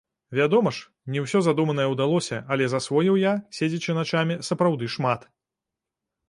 Вядома ж, не ўсё задуманае ўдалося, але засвоіў я, седзячы начамі, сапраўды шмат.